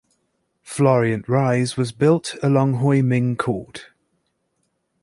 Florient Rise was built around Hoi Ming Court.